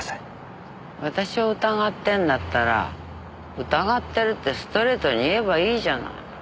私を疑ってるんだったら疑ってるってストレートに言えばいいじゃない。